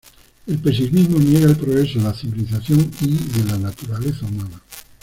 El pesimismo niega el progreso de la civilización y de la naturaleza humana.